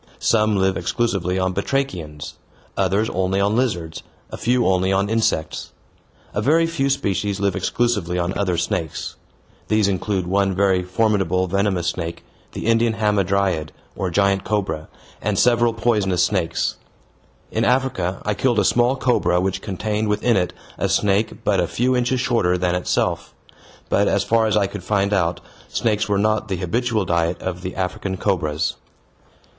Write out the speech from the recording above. Some live exclusively on batrachians, others only on lizards, a few only on insects. A very few species live exclusively on other snakes. These include one very formidable venomous snake, the Indian hamadryad, or giant cobra, and several non poisonous snakes. In Africa I killed a small cobra which contained within it a snake but a few inches shorter than itself; but, as far as I could find out, snakes were not the habitual diet of the African cobras.